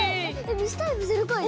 ミスタイプ０かいだよ。